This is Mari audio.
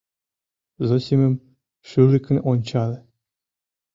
— Зосимым шӱлыкын ончале.